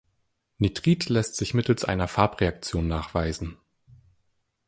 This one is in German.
Nitrit lässt sich mittels einer Farbreaktion nachweisen.